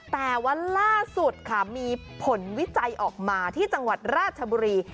แต่วันล่าสุดค่ะมีผลวิจัยออกมาที่จังหวัดราชบุรี